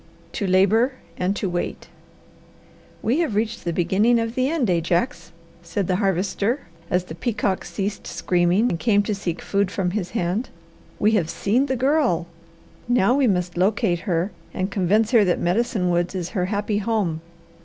TO LABOUR AND TO WAIT "We have reached the 'beginning of the end,' Ajax!" said the Harvester, as the peacock ceased screaming and came to seek food from his hand. "We have seen the Girl. Now we must locate her and convince her that Medicine Woods is her happy home.